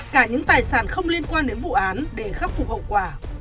cả những tài sản không liên quan đến vụ án để khắc phục hậu quả